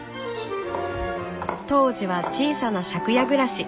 当時は小さな借家暮らし。